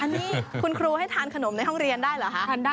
นี่คุณครูให้ทานขนมในห้องเรียนได้เหรอคะ